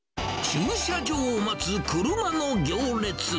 駐車場を待つ車の行列。